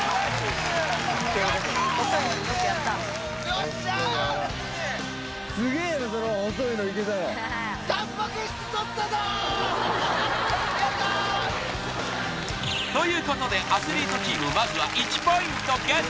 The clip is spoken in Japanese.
よっしゃー！ということでアスリートチームまずは１ポイントＧＥＴ